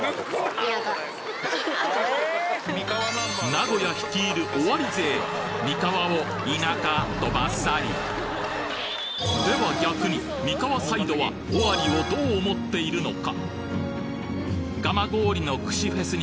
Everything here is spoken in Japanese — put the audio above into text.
名古屋率いる尾張勢！では逆に三河サイドは尾張をどう思っているのか？